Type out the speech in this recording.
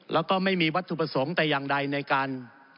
แล้วก็ไม่มีวัตถุประสงค์แต่อย่างใดในการ